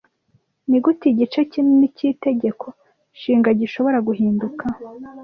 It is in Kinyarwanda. Nigute igice kinini c'Itegeko Nshinga gishobora guhinduka